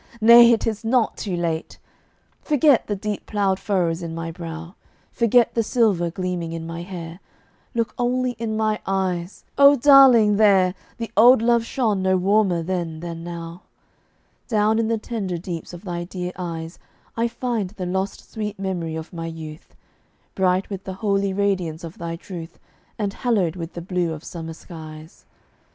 Nay, it is not too late! Forget the deep ploughed furrows in my brow; Forget the silver gleaming in my hair; Look only in my eyes! Oh! darling, there The old love shone no warmer then than now. Down in the tender deeps of thy dear eyes I find the lost sweet memory of my youth, Bright with the holy radiance of thy truth, And hallowed with the blue of summer skies.